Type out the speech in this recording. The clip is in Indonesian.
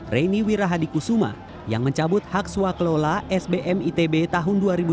reni wirahadikusuma yang mencabut hak swaklola sbm itb tahun dua ribu tiga